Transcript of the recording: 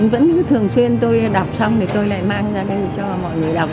vẫn cứ thường xuyên tôi đọc xong thì tôi lại mang ra đây cho mọi người đọc